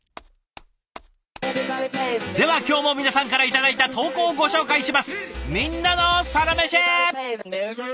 では今日も皆さんから頂いた投稿をご紹介します。